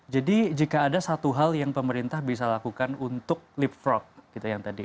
jadi jika ada satu hal yang pemerintah bisa lakukan untuk leapfrog gitu yang tadi